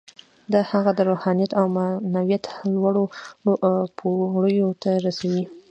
دا هغه د روحانیت او معنویت لوړو پوړیو ته رسوي